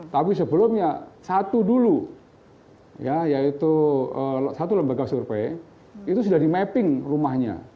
tapi sebelumnya satu dulu ya yaitu satu lembaga survei itu sudah di mapping rumahnya